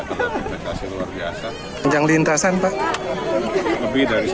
lebih dari satu kilo